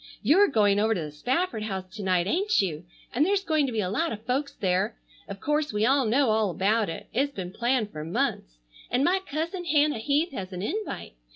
You're going over to the Spafford house to night, ain't you? and there's going to be a lot of folks there. Of course we all know all about it. It's been planned for months. And my cousin Hannah Heath has an invite.